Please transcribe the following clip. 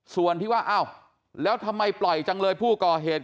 ส่วนที่ว่าอ้าวแล้วทำไมปล่อยจังเลยผู้ก่อเหตุ